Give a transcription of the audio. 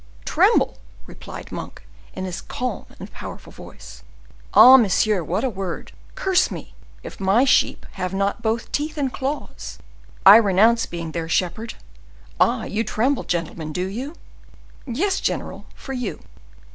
"Tremble!" replied Monk, in his calm and powerful voice; "ah, monsieur, what a word! Curse me, if my sheep have not both teeth and claws; I renounce being their shepherd. Ah, you tremble, gentlemen, do you?" "Yes, general, for you."